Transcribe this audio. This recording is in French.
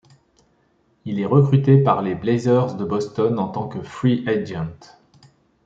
Il est recruté par les Blazers de Boston en tant que free agent.